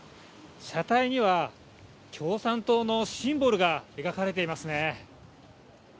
車体には共産党のシンボルが描かれていますね。